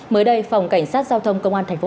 mới đây phòng cảnh sát giao thông công an thành phố